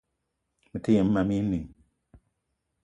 Mete yem mam éè inìng